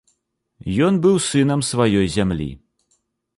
Ён быў сынам сваёй зямлі.